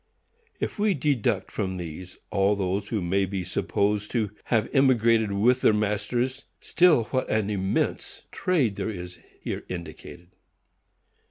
If we deduct from these all who may be supposed to have emigrated with their masters, still what an immense trade is here indicated!